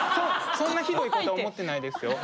そんなひどいことは思ってないですよ。